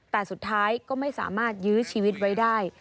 แต่สุดท้ายก็ไม่สามารถยื้อชีวิตไว้ได้